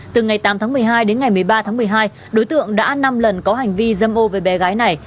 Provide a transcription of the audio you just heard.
từ ngày tám tháng một mươi hai đến ngày một mươi ba tháng một mươi hai đối tượng đã năm lần có hành vi dâm ô với bé gái này